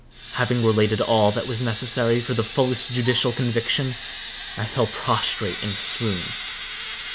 Having related all that was necessary for the fullest judicial conviction, I fell prostrate in a swoon.